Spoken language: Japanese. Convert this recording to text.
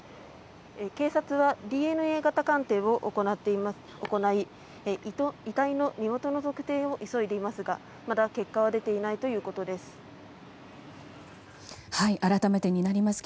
警察は、ＤＮＡ型鑑定を行い遺体の身元の特定を急いでいますがまだ結果は出ていないということです。